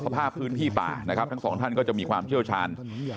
สภาพพื้นที่ป่านะครับทั้งสองท่านก็จะมีความเชี่ยวชาญ